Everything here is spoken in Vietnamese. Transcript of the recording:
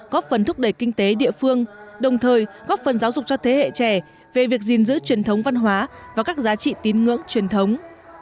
góp phần thúc đẩy kinh tế địa phương đồng thời góp phần giáo dục cho thế hệ trẻ về việc gìn giữ truyền thống văn hóa và các giá trị tín ngưỡng truyền thống